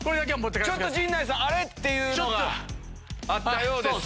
陣内さんあれ？っていうのがあったようです。